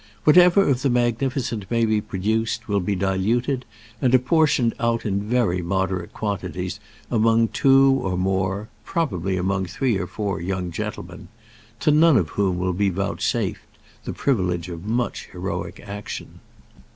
Whatever of the magnificent may be produced will be diluted and apportioned out in very moderate quantities among two or more, probably among three or four, young gentlemen to none of whom will be vouchsafed the privilege of much heroic action.